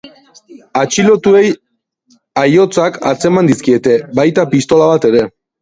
Atxilotuei aihotzak atzeman dizkiete, baita pistola bat ere.